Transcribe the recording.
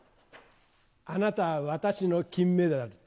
あなたは私の金メダルって。